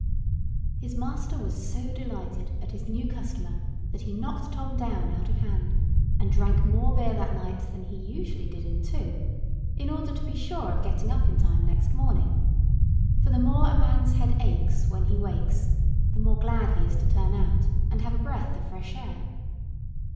His master was so delighted at his new customer that he knocked Tom down out of hand, and drank more beer that night than he usually did in two, in order to be sure of getting up in time next morning; for the more a man's head aches when he wakes, the more glad he is to turn out, and have a breath of fresh air.